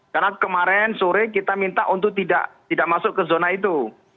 karena kemarin sore kita minta untuk tidak masuk ke zona itu